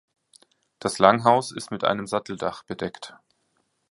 Das Langhaus ist mit einem Satteldach bedeckt.